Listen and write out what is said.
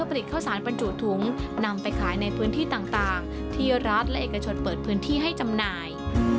เพื่อผลิตข้าวศาลปรรนจูนุทุงนำไปขายในพื้นที่ต่างทีแล้วนี้และปืนที่ให้จำหน่าย